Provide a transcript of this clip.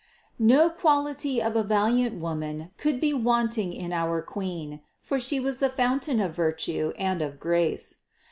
No quality of a valiant woman could be want ing in our Queen, for She was the fountain of virtue and of grace.